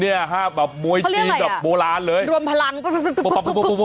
เนี่ยครับมวยจีนแบบโบราณเลยรวมพลังปุ้บ